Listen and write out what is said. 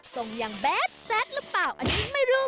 ส่งอย่างแบดแซ็ดหรือเปล่าอันนี้ไม่รู้